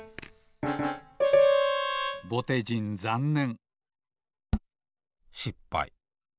ぼてじんざんねんしっぱい。